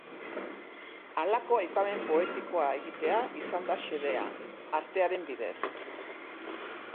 Halako aipamen poetikoa egitea izan da xedea, artearen bidez.